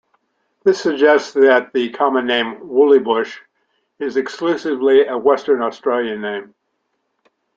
This suggests that the common name "woollybush" is exclusively a Western Australian name.